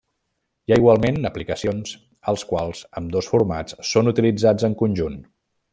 Hi ha igualment aplicacions als quals ambdós formats són utilitzats en conjunt.